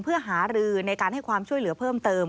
เพื่อหารือในการให้ความช่วยเหลือเพิ่มเติม